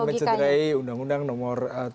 mencederai undang undang nomor tiga